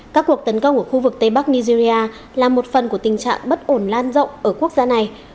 các cuộc tấn công ở khu vực tây bắc nigeria là một phần của tình trạng bất ổn lan rộng ở quốc gia này